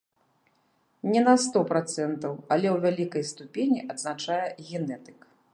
Не на сто працэнтаў, але ў вялікай ступені, адзначае генетык.